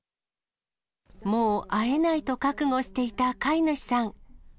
もう会えないと覚悟していた飼い主さん。